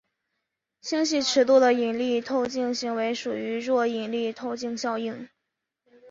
星系尺度的引力透镜行为属于弱引力透镜效应。